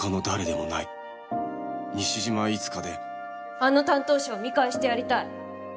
あの担当者を見返してやりたい。